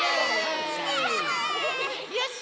よし！